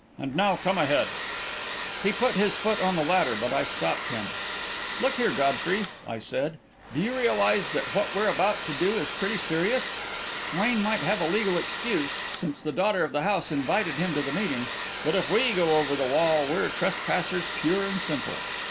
And now come ahead." He put his foot on the ladder, but I stopped him. "Look here, Godfrey," I said, "do you realise that what we're about to do is pretty serious? Swain might have a legal excuse, since the daughter of the house invited him to a meeting; but if we go over the wall, we're trespassers pure and simple.